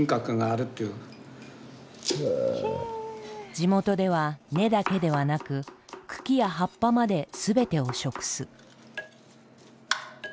地元では根だけではなく茎や葉っぱまで全てを食す。